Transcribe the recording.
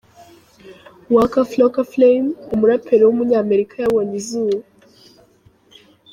Waka Flocka Flame, umuraperi w’umunyamerika yabonye izuba.